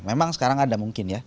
memang sekarang ada mungkin ya